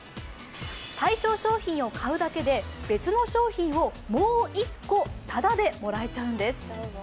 対象商品を買うだけで別の商品をもう一個ただでもらえちゃうんです。